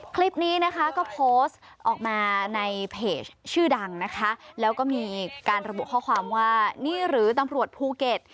คลิปนี้นะคะก็โพสต์ออกมาในเพจชื่อดังนะคะแล้วก็มีการระบุข้อความว่านี่หรือตำรวจภูเก็ต